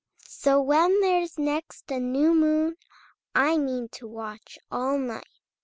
So when there's next a new moon, I mean to watch all night!